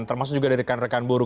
termasuk juga dari rekan rekan buruh